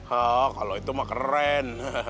oh kalau itu mah keren